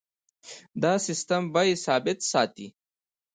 دا سیستم بیې ثابت ساتي.